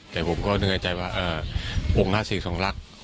แต่ผมก็หนึ่งใจว่าองค์นัทศิริสรทรงลักษมณ์